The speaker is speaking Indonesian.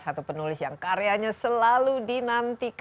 sekian satu kisahan pun